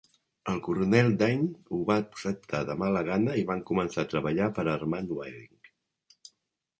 El coronel Dane ho va acceptar de mala gana i van començar a treballar per a Armand Waering.